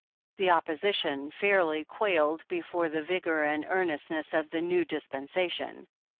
The opposition fairly quailed before the vigor and earnestness of the "new dispensation."